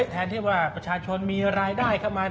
แทนที่ว่าประชาชนมีรายได้เข้ามา